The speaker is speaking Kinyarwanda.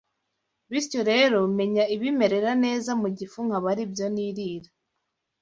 bityo rero menya ibimerera neza mu gifu nkaba aribyo nirira.